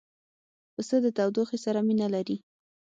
پسه له تودوخې سره مینه لري.